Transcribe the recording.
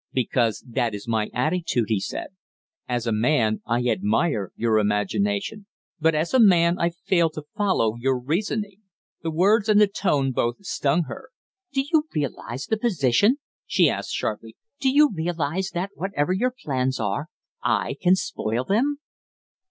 "Because that is my attitude," he said. "As a man I admire your imagination, but as a man I fail to follow your reasoning." The words and the tone both stung her. "Do you realize the position?" she asked, sharply. "Do you realize that, whatever your plans are, I can spoil them?"